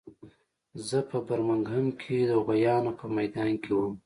زه په برمنګهم کې د غویانو په میدان کې وم